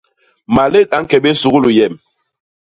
Malét a ñke béé i suglu yem.